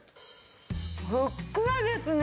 ふっくらですね。